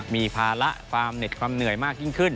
มีภาระความเหน็ดความเหนื่อยมากยิ่งขึ้น